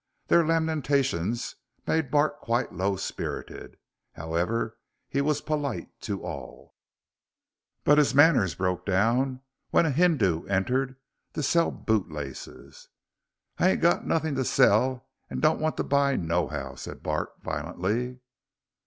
Their lamentations made Bart quite low spirited. However, he was polite to all, but his manners broke down when a Hindoo entered to sell boot laces. "I ain't got nothing to sell, and don't want to buy nohow," said Bart, violently.